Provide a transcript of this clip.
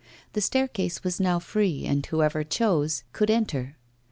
The staircase was now free, and whoever chose could enter.